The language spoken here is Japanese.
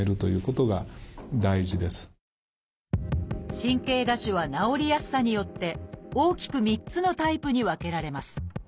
神経芽腫は治りやすさによって大きく３つのタイプに分けられます。